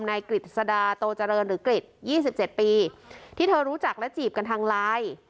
นายกฤตศดาโตเจริญหรือกฤตยี่สิบเจ็ดปีที่เธอรู้จักและจีบกันทางลาย